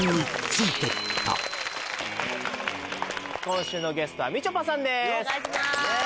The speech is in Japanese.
今週のゲストはみちょぱさんです